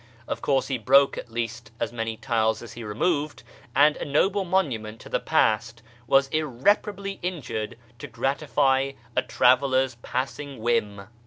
Of course he broke at least as many tiles as he removed, and a noble monument of the past was irreparably injured to gratify a traveller's passing whim.